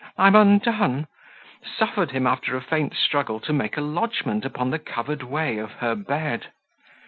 I'm undone," suffered him, after a faint struggle, to make a lodgment upon the covered way of her bed.